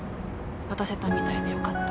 渡せたみたいでよかった。